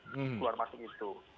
keluar masuk itu